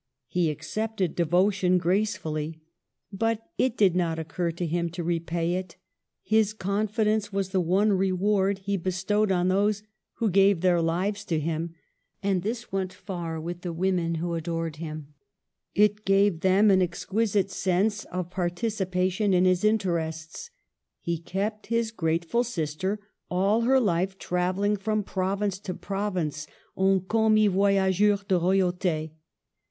He accepted devotion gracefully, but it did not occur to him to repay it. His confidence was the one reward he be stowed on those who gave their lives to him ; and this went far with the women who adored him. It gave them an exquisite sense of par 3 34 MARGARET OF ANGOULEME. ticipation in his interests. He kept his grateful sister all her life travelling from province to province en coinmis voyageiir de royaute.